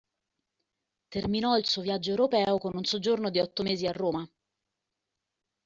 Terminò il suo viaggio europeo con un soggiorno di otto mesi a Roma.